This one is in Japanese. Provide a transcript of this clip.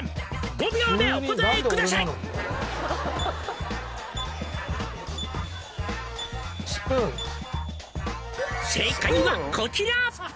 「５秒でお答えください」「正解はこちら」